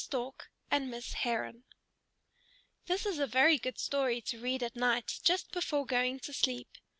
STORK AND MISS HERON This is a very good story to read at night just before going to sleep.